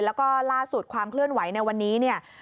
แล้วก็ล่าสุดความเคลื่อนไหวในวันนี้เนี่ย